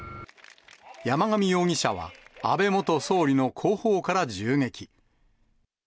山上容疑者は安倍元総理の後方から銃撃。